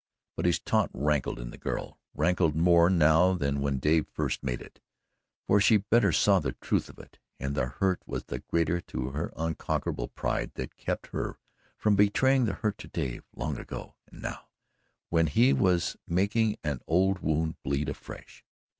But his taunt rankled in the girl rankled more now than when Dave first made it, for she better saw the truth of it and the hurt was the greater to her unconquerable pride that kept her from betraying the hurt to Dave long ago, and now, when he was making an old wound bleed afresh.